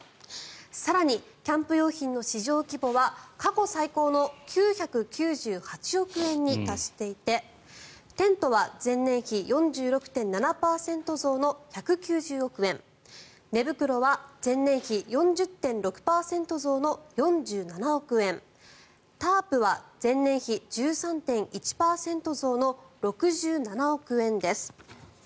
更に、キャンプ用品の市場規模は過去最高の９９８億円に達していてテントは前年比４６．７％増の１９０億円寝袋は前年比４０．６％増の４７億円タープは前年比１３．１％増の６７億円です。